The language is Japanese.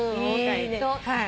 はい。